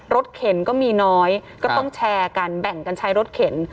เข็นก็มีน้อยก็ต้องแชร์กันแบ่งกันใช้รถเข็น